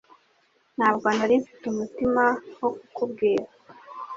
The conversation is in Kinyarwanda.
Ntabwo nari mfite umutima wo kukubwira